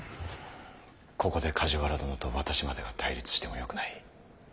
ここで梶原殿と私までが対立してはよくない。